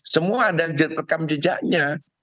semua ada rekam jejaknya